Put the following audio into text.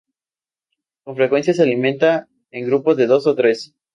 Con frecuencia se alimenta en grupos de dos o tres.